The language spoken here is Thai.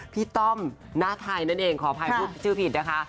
ต้อมหน้าไทยนั่นเองขออภัยพูดชื่อผิดนะคะ